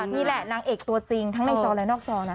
นี่แหละนางเอกตัวจริงทั้งในจอและนอกจอนะ